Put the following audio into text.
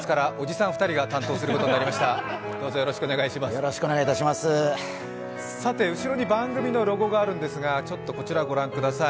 さて後ろに番組のロゴがあるんですが、こちらを御覧ください。